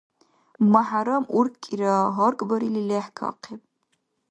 МяхӀярам, уркӀира гьаргбарили, лехӀкахъиб.